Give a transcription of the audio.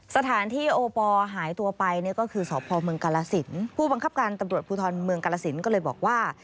สถานที่โอปอลหายตัวไปเนี่ยก็คือสพเมืองกาลสินผู้บังคับการตำรวจภูทรเมืองกาลสินก็เลยบอกว่า